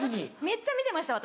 めっちゃ見てました